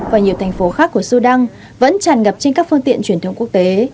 và nhiều thành phố khác của sudan vẫn tràn ngập trên các phương tiện truyền thông quốc tế